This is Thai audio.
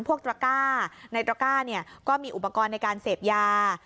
พวกตระก้าในตระก้าก็มีอุปกรณ์ในการเสพยา